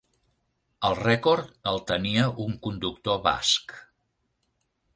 El rècord el tenia un conductor basc.